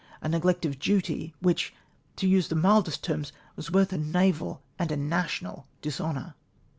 a neglect of duty which, to use the mildest terms, was both a naval and a national dis honour.